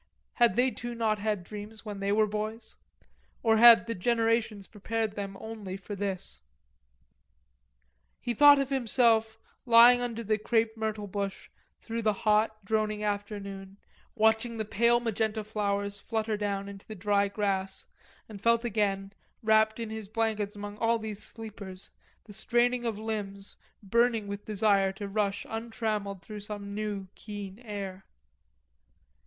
Had they too not had dreams when they were boys? Or had the generations prepared them only for this? He thought of himself lying under the crepe myrtle bush through the hot, droning afternoon, watching the pale magenta flowers flutter down into the dry grass, and felt, again, wrapped in his warm blankets among all these sleepers, the straining of limbs burning with desire to rush untrammelled through some new keen air.